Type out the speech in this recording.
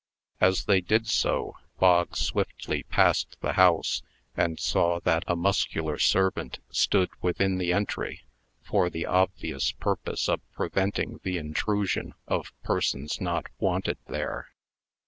As they did so, Bog swiftly passed the house, and saw that a muscular servant stood within the entry, for the obvious purpose of preventing the intrusion of persons not wanted there.